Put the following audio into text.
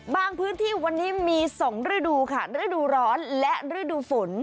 พื้นที่วันนี้มี๒ฤดูค่ะฤดูร้อนและฤดูฝน